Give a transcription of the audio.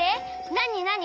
なになに？